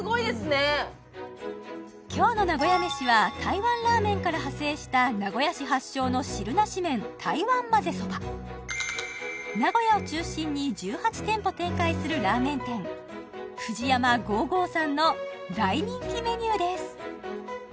今日の名古屋めしは台湾ラーメンから派生した名古屋市発祥の汁なし麺名古屋を中心に１８店舗展開するラーメン店フジヤマ５５さんの大人気メニューです